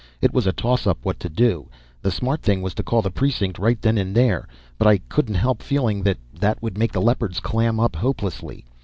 It was a tossup what to do the smart thing was to call the precinct right then and there; but I couldn't help feeling that that would make the Leopards clam up hopelessly.